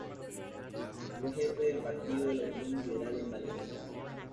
Fue jefe del partido de la Unión Liberal en Valencia.